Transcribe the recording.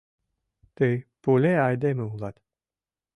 — Тый пуле айдеме улат.